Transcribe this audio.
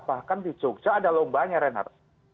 bahkan di jogja ada lomba nya renard